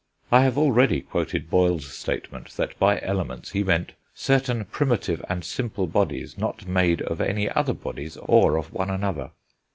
I have already quoted Boyle's statement that by elements he meant "certain primitive and simple bodies ... not made of any other bodies, or of one another."